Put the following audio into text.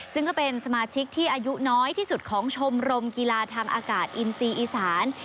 ซึ่งก็เป็นสมาชิกที่อายุน้อยที่สุดของชมรมกีฬาทางอากาศอินซีอีสาน